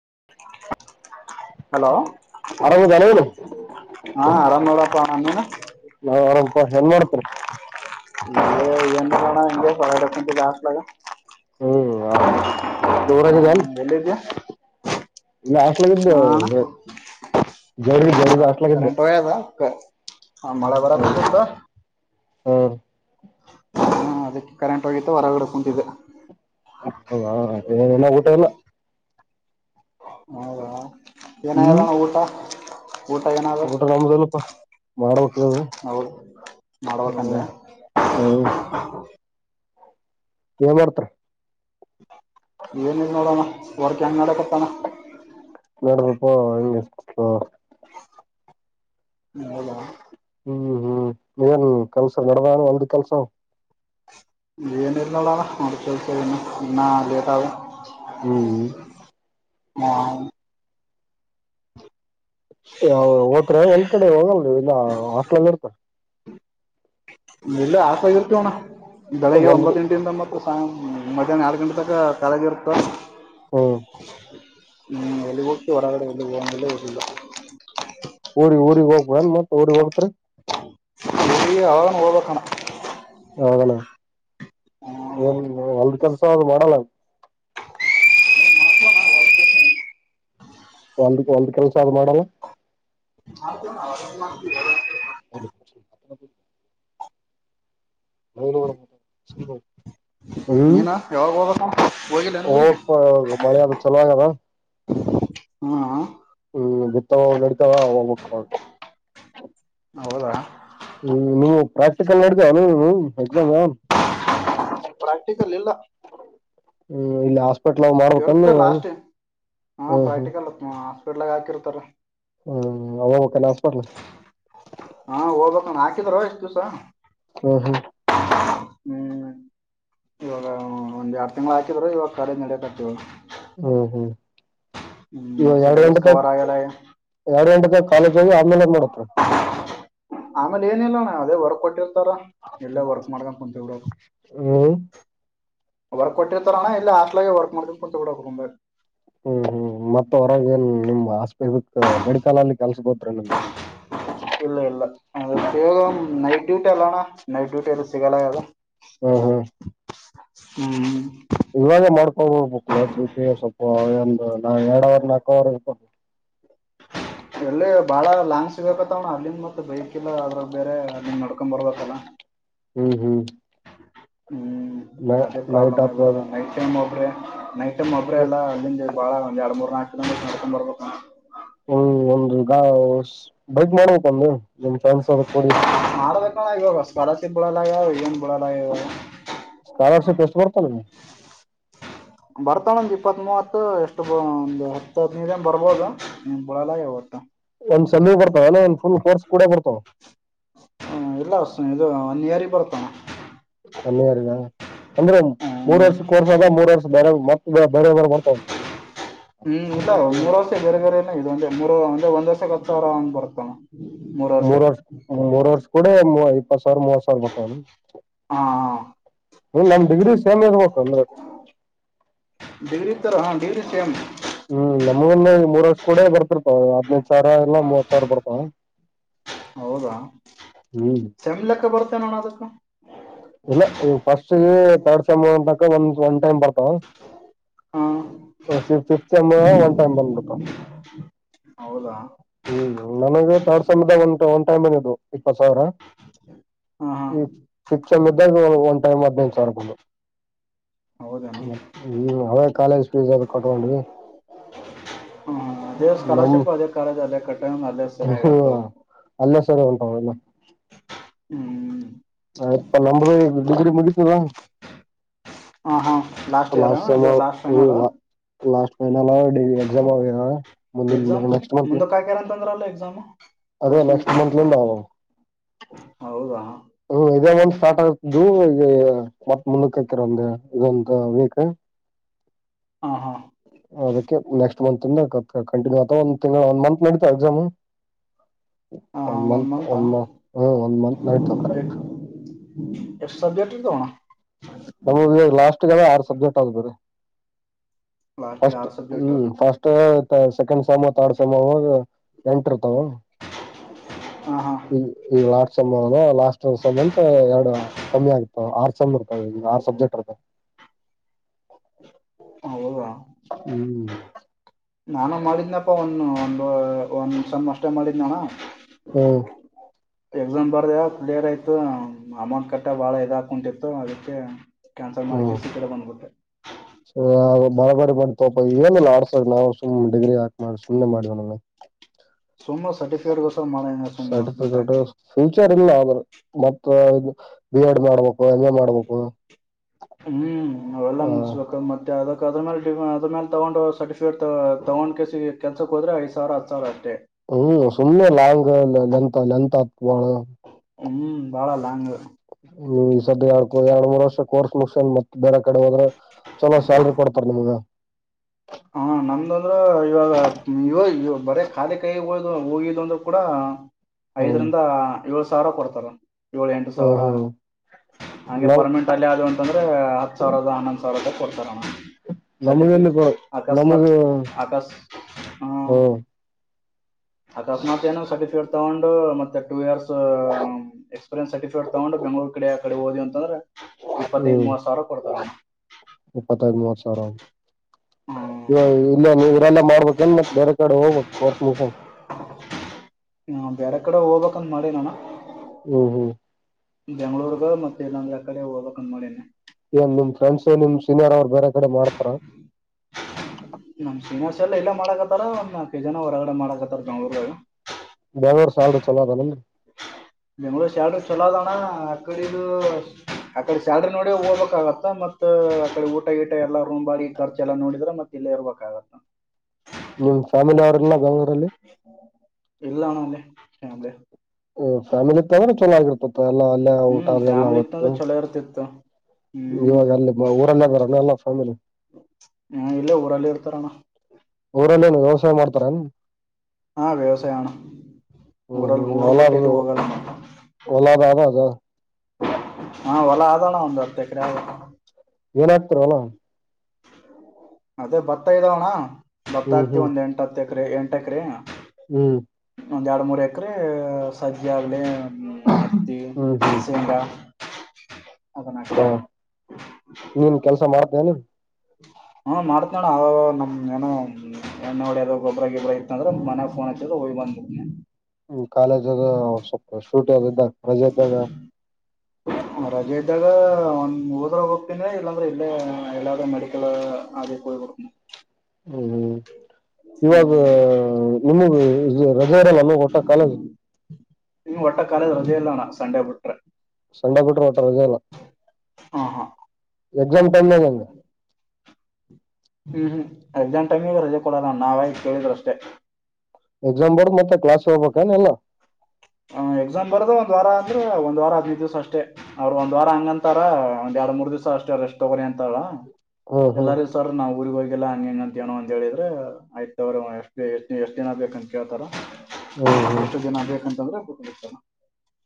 [inaudible] Hello ಆರಾಮದಾನ ಏನು ಹಾ ಆರಾಮ ನೋಡಪ್ಪಾ ನೀವ್ ನಾ ಆರಾಮಪ ಹೆನ್ ಮಾಡೋಡ್ತ [unintelligible] ಹ್ಮ ಉರಾಗಾಯಿದೆನ ಎಲ್ಲಿದ್ಯಾ ಇಲ್ಲ ಹಾಸ್ಲಾಗಿದ್ದೆ ಹಾ ಅಣ್ಣ ಜೋಗೆ ಜೋರಿಗೆ ಹೌದಾ ಹಾಸ್ಲಾಗಿದ್ದೆ ಹಾ ಮಳೆ ಬರದ್ ಗೊತ್ತು ಹ್ಮ ನ ಅದಕ್ಕೆ ಕರೆಂಟ್ ಹೋಗಿದ್ದು ಹೊರಗಡೆ ಕುಂತಿದ್ದೆ ಹ ಹ ಹ ಏನ ಊಟ ಇಲ್ಲ ಹೌದಾ ಏನಗ್ಯಾದ ಹ್ಮ್ ದಣ ಊಟ ಊಟ ಏನಾದ ಮಾಡಬ್ ಹೌದು ಮಾಡ್ಬೇಕಂದೆ ಏ ಮಾಡ್ತ್ರಿ ಏನಿಲ್ ಇನೊಡಣ ವರ್ಕ್ ಎಂಗನಕಣ್ಣ ನಡ ಪ್ಪಾ ಹಂಗೆ ಹ ಹೌದ ಹ್ಮ್ ಹ್ಮ್ ಏನ್ ಕೆಲ್ಸ ನಡದಾನ ಒಂದು ಕೆಲಸ ಏನಿಲ್ ನೋಡಣ ಹೊಲ್ದ ಕೆಲಸ ಇನ್ನಾ ಲೇಟ್ ಆದ ಹ್ಮ್ ಹಾ ಅ ಒತ್ರೆ ಹೊಲ್ದಕಡೆ ಒಂದ್ ಕಡೆ ಹೋಗಲ್ ಇಲ್ಲ ಹಾಸ್ಟ್ಲಲ್ ಇರ್ತ ನೀಲ್ಲೆ ಆ ಹಾಸ್ಟಾದಾಗ ಇರ್ತಿವಿ ಅಣ ಬೆಳಗ್ಗೆ ಹೊಲ್ದು ಒಂಬತ್ತೆಂಟಿಂದ ಮತ್ತು ಸಾಯಂ ಮಧ್ಯಾಹ್ನ ಎರಡು ಗಂಟೆ ತನಕ ತಳಗ ಇರ್ತ ನ್ ಹ್ಮ್ [inaudible] ಹ್ಮ್ ಎಳಿಗಟ್ಟಿ ಹೊರಗಡೆ ಎಲ್ಲು ಹೋಗಗಿಲ್ಲ ಹೇನು ಇಲ್ಲ ಊರಿ ಊರಿ ಹೋಗ್ಬಂದ ಮತ್ತತ್ ಊ ಹೋಗತಿರಿ ಅವನ್ ಹೋಗ್ಬೇಕಣ ಹೌದಣ ಏನ್ ಒಲ್ದ ಕೆಲ್ಸ ಅ ಮಾಡಲ್ಲ ಒಲ್ದ ಒಲ್ದ ಕೆಲ್ಸ ಅದು ಮಾಡಲ್ಲ ಅ [inaudible] ನ ಸ ಏನಾ ಯಾವಾಗ್ ಹೊ ಬ ಹೋಗಪ್ಪಾ ಮಳೆ ಆದ ಚಲೋಗ್ಯಾದ ಹ್ಮ ಹ್ಮ್ ಬಿತ್ತವ್ ನಡಿತವಾ ಹೋಗ್ಬಕ್ ಹೌದಾ ನೀವು ಪ್ರಾಕ್ಟಿಕಲ್ [unintelligible] ಎಕ್ಸಾಮ್. ಪ್ರಾಕ್ಟಿಕಲ್ ಹ್ಮ್ ಇಲ್ಲ [unintelligible] ಇರುತ್ತ ಲಾಸ್ಟ್ ಹಾ ಹ್ಮ್ ಹ್ಮ್ ಪ್ರಾಕ್ಟಿಕಲ್ ಹಾ. ಗುಡ್ಲಾಗ್ ಹಾಕಿರ್ತಾರ. ಹ್ಮ್ ಹೋಗಬೇಕನ್ ಹಾಸ್ಪೆಟ್ಲ. ಹಾ ಹೋಗ್ಬೇಕ ಅಣ್ಣಾ ಹಾಕಿದ್ರ ಇಷ್ಟ್ ದಿವ್ಸ ಹ್ಮ ಹಾ. ಹ್ಮ್ ಇವಾಗ ಒಂದ್ ಯಾಡ್ ತಿಂಗ್ಳ್ ಹಾಕಿದ್ರ ಇವಾಗ ಕಾಲೇಜ್ ನಡ್ಯಾಕತ್ತೀವಿ. ಇ ಹ್ಮ್ ಎರಡ ಸಿಲೆಬಸ್ ಗಂಟೆಕೆ ಕವರ್ ಆಗಲ್ಲ ಎರಡು ಗಂಟೆಕೆ ಕಾಲೇಜ್ ಹೋಗಿ ಆಮೇಲೆ [unintelligible] ಹ ಆಮೇಲೆ ಏನಿಲ್ಲೋ ಅಣ್ಣಾ. ಹ ಅದೇ ವರ್ಕೌ [unintelligible] ಎಲ್ಲ ವರ್ಕ್ ಮಾಡಕ ಕುಂತಡವೇಕ್ ಹ್ಮ್ ವರ್ಕ್ ಕೊಟ್ಟಿರ್ತಾರ ಅಣ್ಣಾ ಇಲ್ಲ. [unintelligible] ವರ್ಕ್ ಮಾಡ್ಕೋತ ಕುಂತ್ [unintelligible] ಹ್ಮ್ ಹ್ಮ್ ಮತ್ತ ಹೊರಗೇನ್ ನಿಮ್ [unintelligible] ನಿಮ್ದ ಇಲ್ಲ ಇಲ್ಲ ಅಗ ನೈಟ್ ಡ್ಯೂಟಿ ಅದ ಅಣ್ಣಾ ನೈಟ್ ಡ್ಯೂಟಿ ಎಲ್ಲಿ ಸಿಗಲ್ಯಾಗ್ಯವ್ರಿ. ಹ್ಮ್ ಹ್ಮು ಇವಾಗ ಮಾಡ್ಕೋಬೇಕು [unintelligible] ಸ್ವಲ್ಪ ಒಂದು, ಎರಡ್ ಅವರ್, ನಾಕು ಅವರ್ ಇರ್ ಎಲ್ಲಿ ಬಾಳ ಲಾಂಗ್ ಸಿಗಕತ್ತವ ಅಣ್ಣಾ ಅಲ್ಲಿಂದ ಮತ್ತೆ ಬೈಕಿಲ್ಲ ಆದ್ರ ಬೇರೆ ನಿಮ್ ನಡ್ಕೊ ಬರ್ಬೇಕಲ್ಲ. ಹ್ಮ್ ಹ್ಮ್. ಹ್ಮ್ ಅದೇ ನೈಟ್ ಪ್ರಾಬ್ಲಮ್ ಆಗಿ ಆತ್ ಬಿಟ್ಟದ ನೈಟ್ ಟೈಮ್ [unintelligible] ನೈಟ್ ಐಟಮ್ ಒಬ್ರೇ ಅಲ್ಲ ಹ್ಮ್ ಬಾಳ ಒಂದ, ಎರಡು, ಮೂರ್, ನಾಕ [unintelligible] ಹ್ಮ್ ಒಂದ್ ಒಂದು ಗಾಸ್ ಬೈಕ್ ಮ್ಯಾಲೆ [unintelligible] ನಿಮ್ [unintelligible] ಮಾಡ್ಬೇಕಣ್ಣ [unintelligible] ಹೋದ ವರ್ಷಕ್ ಎಸ್ಟ್ ಬರುತ್ತ ನಿಂಗ್. ಬರ್ತಾಳಂದ ಇಪ್ಪತ್ತ್, ಮೂವತ್ತು ಎಷ್ಟು ಒಂದು, ಹತ್ತು, ಹದ್ನದನ್ ಬರ್ಬೋದು ನೀ ಬಳಲ್ಲ [unintelligible] ಒಂದ್ ಸಲ ಬರ್ತಾವ ಅಲ್ಲ ಒಂದ್ ಫುಲ್ ಕೋರ್ಸ್ ಕೂಡ ಬರ್ತಾವ. ಹ್ಮ್ ಇಲ್ಲ ಸ- ಇದು ಒನ್ ಇಯರಗೆ ಬರ್ತಾವ ಅಣ್ಣಾ. ಒನ್ ಇಯರ್ಗ ಅಂದ್ರೆ ಹ್ಮ್ ಮೂರ್ ವರ್ಷ ಕೋರ್ಸ್ ಆದ ಮೂರ್ ವರ್ಷ ಬೇರೆ ಮತ್ತ ಬೇರೆ ಬೇರೆ ಮಾಡ್ತಾವ. ಹ್ಮ್ ಇಲ್ಲ ಮೂರ ವರ್ಷ ಬೇರೆ ಬೇರೆನ ಇದು ಅಂದೆ ಮೂರುಂದೆ ಒಂದ ವರ್ಷ. ಬರ್ತಾರ್ ಅಂದ್ ಬರ್ತಾನ. ಮೂರ್ ವರ್ಷ, ಮೂರ್ ವರ್ಷ ಕುಡೆ ಪರ್ ಮೂವತ್ ಸಾವರ ಬರ್ತಾವನ ಹಾ ಹಾ ನನ್ ಡಿಗ್ರಿ ಸೇಮ್ ಇರಬೇಕ ಅಂದ್ರೆ. [unintelligible] ಹ್ಮ್ ನಮಗಂದ ಮೂರ್ ವರ್ಷ ಕೂಡ ಬರ್ತಿರ್ತಾವ ಹದ್ನೈದ್ ಸಾವಿರ ಇಲ್ಲ ಮೂವತ್ ಸಾವಿರ ಬರ್ತಾವ್ ಹೌದಾ ಸೆಮ್ಲೆಕ್ಕ ಬರತ್ತ ಏನೋ ಅಣ್ಣ ಅದಕ್ಕ ಇಲ್ಲ ಈ ಫಸ್ಟ್ ತರ್ಡ್ ಸೆಮ ಅಂತಕ ಒಂದ ಒ ಒಂದು ಟೈಮ್ ಬರ್ತಾವ್. ಹಾ ಫಾ ಫಿಫ್ತ್ ಸೆಮ್ ನಾಗು ಒನ್ ಟೈಮ್ ಬಂದ್ಬಿಡ್ತಾವ್ ಹೌದಾ ಹ್ಮ್ ನನಗೆ ತಡ್ ಸಮಯದ ಒಂದ ಒಂದು ಟೈಮ್ ಬಂದು ಇಪ್ಪತ್ ಸಾವಿರ ಹಾ ಹಾ ಈ ಫಿಕ್ಮ್ ಇದ್ದಾಗ ಒಂದ್ ಟೈಮ್ ಹದ್ಿನೈದು ಸಾವಿರ ಬಂದು ಹೌದೇನು ಅವೇ ಕಾಲೇಜ್ ಫೀಸ್ ಅ ಕಟ್ಕೊಂಡ್ವಿ ನ ಅಾದ ಕಟ್ಟ ಅಲ್ಲಸರಾಗತ ಸ ಹ್ಮ್ ಆಯ್ತಪ್ಪ ನಂದು ಡಿಗ್ರಿ ಮುಗಿತು ಹಾ ಹ ಹಾ ಲಾಸ್ಟ್ ಇಯರ್ ಲಾಸ್ ಫೈನಲ್ ಹು ನಏನ ಅಲ್ಲ ಡ ಎಕ್ಸಾಮ್ ಆ ಮುಂದ ನೆಕ್ಸ್ಟ್ ಮಂತ್ ಂದ್ರಲ್ಲ ಎಕ್ಾಮ್ ಅದೇ ನೆಕ್ಸ್ಟ್ ಮತ್ಲಿಂದ ಆ ಹೌದಾ ಹಾ ಹ್ಮ ಇದ ಒಂದ್ ಸ್ಟಾರ್ಟ್ ಆಗ್ತು ಈ ಮತ್ತತ್ ಮುಂದಕ್ಕೆತರ ಒಂದ ಇದೊಂದು ವೀಕ್ ಹಾ ಹಾ ಅದಕ್ಕೆ ನೆಕ್ಸ್ಟ್ ಮಂತ್ಂದ ಕಂಟಿನ್ಯೂ ಅ ಒ ಒಂದ್ ಮಂತ್ ನಡತಾ ಎಕ್ಸಾಮ್ ಹಾ ಹಾ ಒಂ ಒನ್ ಮಂತ್ ಮಂತಾ ಒಂ ಮ ಹ ಒಂ ಮಂತ್ ನಡ್ ಅಕ್ ಹಾ. [unintelligible] ವಣ್ಣ. ನಮೂಗಿವಾಗ್ ಲಾಸ್ಟ್ ಟಿಗೆಲ್ಲ ಆರ್ ಸಬ್ಜೆಕ್ಟ್ ಆಗ್ಬುರಿ. ಲಾಸ್ಟಿಗೆ ಫಸ್ಟ್ ಆರು ಸಬ್ಜೆಕ್ಟ್ ಹ್ಮ್ ಫಸ್ಟ್ ತ ಸೆಕೆಂಡ್ ಸೇಮ್ ತಾರ್ ಸಲುವಾಗ. ಎಂಟ್ ಇರ್ತಾವ ಹಾ ಹಾ ಈ ಈ ಲಾಸ್ಟ್ ಸೇಮ್ ಒಳಗ ಲಾಸ್ಟ್ ಸೇಮಂತ ಎರಡು. ಕಮ್ಮಿ ಆಗ್ತವ ಆರ್ ಸೇಮ್ ಹೊಯ್ ಆರ್ ಸಬ್ಜೆಕ್ಟ್ ಇರ್ತವ್. ಹೌದಾ ಹ್ಮ್ ನಾನು ಮಾಡಿದ್ನಪ್ಪ ಒನ್ನು ಒಂದು ಒಂದ್ ಸೇಮ್ ಅಷ್ಟೆ ಮಾಡಿದ್ನಣ. ಓ ಎಕ್ಸಾಮ್ ಬರ್ದ ಕ್ಲಿಯರ್ ಆಯ್ತು ಅಮೌಂಟ್ ಕಟ್ಟ ಬಾಳ ಇದಾ ಕುಂತಿತ್ತು ಅದಕ್ಕೆ. ಕ್ಯಾನ್ಸಲ್ ಮಾಡ್ಕೇಸಿ ಈಕಡೆ ಬಂದ್ಬಿಟ್ಟೆ. [unintelligible] ಅವ ಬಾಲ್ ಬಾರಿ ಬಂತೋ ಏನಲ್ಲ ಆಡ್ಸದ ನಾವು ಸುಮ್ಮ್ ಡಿಗ್ರಿ ಹಾಕ್ ಮಾಡಿ ಸುಮ್ನೆ ಮಾಡಿವ್ ಅಂದಾಂಗ್ ಸುಮ ಸರ್ಟಿಫಿಕೇಟ್ಗೋಸ್ಕರ ಮಾಡಿದಂಗ್ ಆಯ್ತ್ ಸುಮು ದುಡ್ ಹಾಕಿ. ಲ್ಲ ಆದ್ರೆ ಮತ್ತ ಇ ಬಿ ಎಡ್ ಮಾಡ್ಬೇಕು ಎಂ ಎ ಮಾಡ್ಬೇಕು. ಹ್ಮ್ ಅವೆಲ್ಲಾ ಹ ಮುಗಸ್ಬೇಕ ಮತ್ತ ಯಾವ್ದೋ ಅದ್ರ ಮ್ಯಾಲ ಅದರ್ ಮ್ಯಾಲ ತಗೊಂಡ್ ಸರ್ಟಫಿಕೇಟ್ ತೊಗೊಂಡ್ಕೆಸಿ ಕೆಲ್ಸಕ್ ಹೋದ್ರ ಐದ ಸಾವಿರ ಹತ್ತ ಸಾವಿರ ಅಷ್ಟೇ ಹ್ಮ್ ಸುಮ್ಮ್ನೆ ಲಾಂಗ ಲೆಂತ್ ಲೆಂಥ್ ಆತದ ಭಾಳ ಹ್ಮ್ ಬಾಳ ಲಾಂಗ್ ನೀವ್ ಈ ಸದ ಯಾಡ್ ಎರಡ್ ಮೂರ್ ವರ್ಷ ಕೋರ್ಸ್ ಮುಗಸನ ಮತ್ ಬೇರೆ ಕಡೆ ಹೋದ್ರ ಚಲೋ ಸ್ಯಾಲ್ರಿ ಕೊಡ್ತಾರ ನಿಮ್ಗ ಹ ನಮ್ದ ಅಂದ್ರ ಇವಾಗ ಇವ ಬರೇ ಖಾಲಿ ಕೈ ಗೋಳಿಗ ಹೋಗಿದುವ ಅಂದ್ರ ಕೂಡ. ಹ್ಮ್ ಐದರಿಂದ ಏಳ ಸಾವಿರ ಕೊಡ್ತಾರ. ಏಳ ಎಂಟು ಹ್ಮ್ ಸಾವಿರ ಹ್ಮ್ ಹಂಗೆ ನಮ್ ಪರ್ಮನೆಂಟ್ ಅಲ್ಲೇ ಆದ್ವಿ ಅಂತಂದ್ರ ಹತ್ ಸಾವಿರದ ಹನ್ನೊಂದ್ ಸಾವಿರ ಕೊಡ್ತಾರಣ ನಮಗೆಲ್ಲಿ ಸರ್ಟಿಫಿಕೇಟ್. ಕೊಡ ನಮಗ ಆಕಸ್ಮಾತ್ ಆಕಾಸ್ ಹ್ಮ್ ಅಕಸ್ಮಾತ್ ಏನೋ ಸರ್ಟಿಫಿಕಟ್ ತೊಂಡ್ ಮತ್ತೆ ಟು ಇಯರ್ಸ್ ಎಕ್ಸ್ಪೀರಿಯನ್ಸ್ ಸರ್ಟಿಫಿಕಟ್ ತಗೊಂಡು ಬೆಂಗಳೂರ್ ಕಡೆ ಆ ಕಡೆ ಹೋದ್ವಿ ಅಂತಂದ್ರ ಇಪ್ಪತ್ತೈದ ಹ್ಮ್ ಮೂವತ್ ಸಾವಿರ ಕೊಡ್ತಾರ ಅಣ್ಣ ಸರೋ ಇವಾಗ್ ಇಲ್ಲ ನೀ ಲ್ಲ ಮಾಡ್ಬೇಕ ಎನ ಮತ್ತ್ ಬೇರೆ ಕಡೆ ಹೋಗಬೇಕ ಕೋರ್ಸ್ ಮುಗಸ್ಕೊಂಡ್ ಹ ಬೇರೆ ಕಡೆ ಹೋಗ್ಬೇಕ ಅಂತ್ ಮಾಡಿನಿ ಅಣ್ಣಾ ಹ್ಮ್ ಹ್ಮ್ ಬೆಂಗ್ಳೂರ್ಗ ಮತ್ತ ಇಲ್ಲಾಂದ್ರ ಆ ಕಡೆ ಹೋಗಬೇಕ್ ಅಂತ್ ಮಾಡಿನಿ ಏನ್ ನಿಮ್ ಫ್ರೆಂಡ್ಸ್ ನಿಮ್ ಸೀನಿಯರ್ ಅವರು ಬೇರೆ ಕಡೆ ಮಾಡ್ತಾರ? ನಮ್ ಸೀನಿಯರ್ಸ್ ಎಲ್ಲ ಇಲ್ಲೆ ಮಾಡಕತ್ತಾರ. ಒಂದ ನಾಕೈದ ಜನ ಹೊರಗಡೆ ಮಾಡಕತ್ತಾರ ಬೆಂಗ್ಳೂರದಾಗ್ ಬೇರ್ರ್ ಸ್ಯಾಲ್ರಿ ಚೊಲೋದಲ ಬೆಂಗಗಳೂರು ಸ್ಯಾಲ್ರಿ ಚಲೋ ಅದ ಅಣ್ಣಾ ಅಕಡೆದು ಆಕಡೆ ಶ್ಯಾಲ್ರಿ ನೋಡಿ ಓಗಬೇಕಾಗತ್ತ ಮತ್ತ ಅಕಡೆ ಊಟ ಗಿಟ ಎಲ್ಲಾ ರೂಮ್ ಬಾಡ್ಗಿ ಖರ್ಚ ಎಲ್ಲಾ ನೋಡಿದ್ರ ಮತ್ತ ಇಲ್ಲೇ ಇರ್ಬೇಕಾಗತ್ತ. ನಿಮ್ ಫ್ಯಾಮಿಲಿ ಅವ್ರಲ್ಲ ಬೆಂಗಳೂರಲ್ಲಿ? ಇಲ್ಲ ಅಣ್ಣ [unintelligible] ಹ್ಮ್ ಫ್ಯಾಮಿಲಿ ಚೊಲೋ ಆಗಿರ್ತಿತ್ತ ಎಲ್ಲ ಅ ಎಲ್ಲ ಊಟಾ ಅದೆಲ್ಲ ಅವತ್ತು ತ್ತ ಇವಾಗ ಅಲ್ಲಿ ಊರಲ್ಲೇ ಬರಾನಲ್ಲ ಫ್ಯಾಮಿಲಿ ನ್ ಇಲ್ಲ ಊರಲ್ಲಿ ಇರ್ತಾರಣ ಮಾಡ್ತಾರಾ ಹಾ ವ್ಯವಸಾಯ ಹ್ಮ್ ಅಣ್ಣ ಹ್ಮ್ ಊರು ಬಿಟ್ಟು ಎಲ್ಲೂ ಹೊಲದು ಹೋಗಲ್ಲ ಇದೆ ಹೊಲದ ಅದ ಅದ ಅಣ್ಣಾ ಒಂದ್ ಹತ್ತ ಎಕರೆ ಏನ್ ಹಾಕ್ತಿರಿ ಹೊಲದಾಗ ಅದೇ ಭತ್ತ ಇದೆ ಅಣ್ಣ ಹ್ಮ್ ಗೊತ್ತಾಗುತ್ತೆ ಹ್ಮ್ ಒಂದು ಎಂಟು ಹತ್ತ ಎಂಟ ಎಕ್ಕರೆ ಹೂ ಒಂದೆರಡು ಮೂರು ಎಕ್ಕರೆ ಸಜ್ಜಿಯಾಗಲಿ ಒಮ್ಮೆ ಹತ್ತಿ ಶೇಂಗಾ ಅದನ್ನ ಹಾ ಹಾಕ್ತಿವಿ ನೀನ್ ಕೆಲಸ ಮಾಡ್ತಿ, ಏನು ಹಾ ಮಾಡ್ತೀನಿ ಅಣ್ಣಾ ಅವಾಗವಾಗ ಇಲ್ಲನ್ನು ಎಲ್ಲಾದರೂ ಗೊಬ್ಬರ ಇದ್ದರೆ ಮನೆಗೆ ಫೋನ್ ಹಚ್ಚಿ ಬಂದ್ಬಿಡ್ತೀನಿ ಹ್ಮ್ ಕಾಲೇಜಲ್ಲಿ ಸ್ವಲ್ಪ ಸೂಟಿಯಲ್ಲಿದ್ದಾಗ ರಜೆ ಇದ್ದಾಗ ಒಮ್ಮೆ ಹೋದರೆ ಹೋಗ್ತಾನೇ ಇಲ್ಲ ಅಂದ್ರೆ ಇಲ್ಲೇ ಎಲ್ಲಾದ್ರೂ ಆಗ್ಲೇ ಹೇಳಿ ಬರ್ತೀನಿ ಹ್ಮ್್ಮ್ ಇವಾಗ ಹ್ಮ್ ನಿಮಗ ಇ ಹೋಗೆ ಇಲ್ಲ ಏನು ಒಟ್ಟ ಕಾಲೇಜ್ ನಿಮಗೆ ವಟ ಕಾಲೇಜ ರಜೆ ಇಲ್ಲ ಅಣ್ಣ ಸಂಡೆ ಬಿಟ್ಟರು ಸಂಡೆ ಬಿಟ್ರು ವಟ ರಜೆ ಇಲ್ಲ ಹಾ ಹಾ ಎಕ್ಸಾಮ್ ಟೈಮ್ ನ ಹೇಗೆ ಹೂ ಹು ಅಣ್ಣಾ ಎಕ್ಸಾಮ್ ಟೈಮಲ್ಲೂ ರಜೆ ಕೊಡಲ್ಲ ನಾವಾಗಿ ಕೇಳಿದ್ರೆ ಅಷ್ಟೇ ಎಕ್ಸಾಮ್ ಬರೋದು ಮತ್ತು ಕ್ಲಾಸಿಗ್ ಹೋಗ್ಬೇಕ್ ಏನು ಎಕ್ಸಾಮ್ ಬರೆದು ಒಂದು ವಾರ ಅಂದ್ರು ಒಂದು ವಾರ ಹದಿನೈದು ದಿವಸ ಅಷ್ಟೇ ಅವರು ಒಂದು ವಾರ ಹಂಗನ್ತಾರ ಒಂದೆರಡು ಮೂರು ದಿವಸ ಅಷ್ಟೇ ರೆಸ್ಟ್ ತಗೋ ಅಂತಾರ ಹ್ಮ್ ಹ್ಮ್ ಎಲ್ಲರೂ ಸರ್ ನಾವು ಊರಿಗೆ ಹೋಗುತ್ತೇವೆ ಎಲ್ಲಾ ಹಂಗ ಹೆಂಗ ಅಂತ ಏನೋ ಅಂತ ಹೇಳಿದ್ರೆ ಆಯ್ತ ಅವ್ರ ಎಷ್ಟು ಎಷ್ಟ ಎಷ್ಟ್ ದಿನ ಬೇಕ ಅಂತ ಕೇಳ್ತಾರ ಹ್ಮ್ ಎಷ್ಟು ಜನ ಬೇಕಂತ ದಗದ ಬಿಟ್ಟು ಬಿಟ್ಟ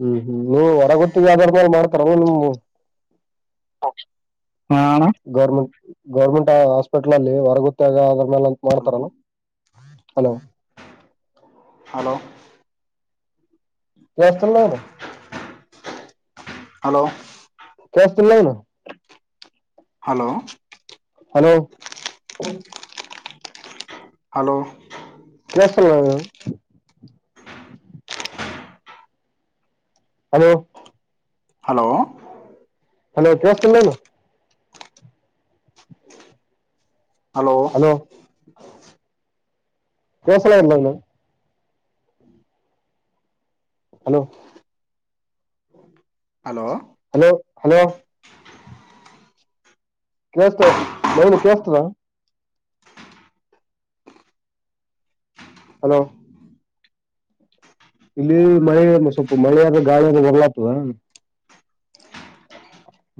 ಹು ಹೂ ನೀ ಹೊರಗಿರತ್ತಿರಿ ಯಾವದಾರೂ ಕಮಲ ಹೂ ಅಕ್ಷ ಗೌರ್ಮೆಂಟ್ ಗೌರ್ಮೆಂಟ್ ಹಾಸ್ಪಿಟಲ್ ಅಲ್ಲಿ ಹೊರಗ್ ಹೋಗೋದು ಬಾಳ್ ಹೆಲ್ಪ್ ಹಲೋ ಮಾಡ್ತಾರೆ ಏನು ಹಲೋ ಹಲೋ ವೆಸ್ಟಾಲ್ಲಾ ಅದು. ಹಲೋ. ಕೆಸ್ತಿಲ್ಲ ಏನು. ಹಲೋ. ಹಲೋ ಹಲೋ ಕೆಳತಿಲ್ವ ಹಲೋ ಹಲೋ ಹಲೋ ಕೇಳಿಸ್ತಿಲ್ಲ ಏನು ಹಲೋ ಕೆಸಲ ಇಲ್ಲ್ಣ [inaudible] ಹಲೋ ಹಲೋ ಹಲೋ ಹಲೋ ಕೇಸ್ತ ನನ್ ಕೇಳ್ಸ್ತರಾ [unintelligible] ಹಲೋ ಇಲ್ಲಿ ಮಳೆ ಸ್ವಲ್ಪ ಮಳೆಯ ಆದ್ರೆ ಗಾಳಿಯಾದ್ರೆ ಹೊರ್ಲಾಗ್ತದ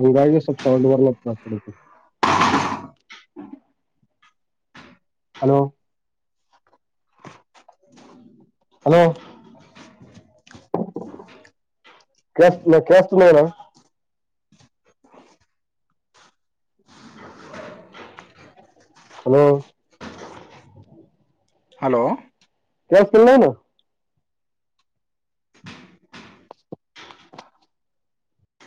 ಹಂಗಾಗಿ ಸ್ವಲ್ಪ ಸೌಂಡ್ ಬರ್ಲತ ದ ಹಲೋ ಹಲೋ ಕಸ್ ಕ್ಯಾಷ್ಟತ ನರ [inaudible] ಹಲೋ ಹಲೋ ಕೆಲಸ್ಥಿಲ್ಲೇನ್